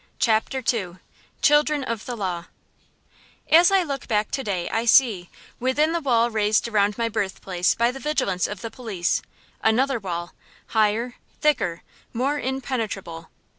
CHAPTER II CHILDREN OF THE LAW As I look back to day I see, within the wall raised around my birthplace by the vigilance of the police, another wall, higher, thicker, more impenetrable.